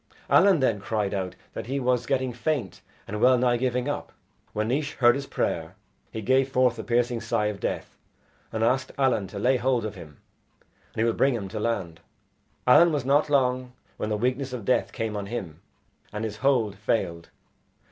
Allen then cried out that he was getting faint and well nigh giving up. When Naois heard his prayer, he gave forth the piercing sigh of death, and asked Allen to lay hold of him and he would bring him to land. Allen was not long when the weakness of death came on him, and his hold failed.